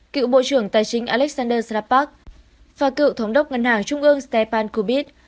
cựu bộ trưởng tài chính alexander slapak và cựu thống đốc ngân hàng trung ương stepan kubits